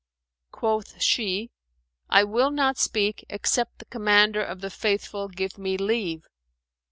Quoth she, "I will not speak except the Commander of the Faithful give me leave."